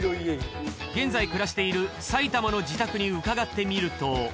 現在暮らしている埼玉の自宅に伺ってみると。